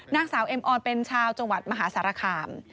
นางสาวเอ็มออนเป็นชาวจังหวัดมหาสารคาม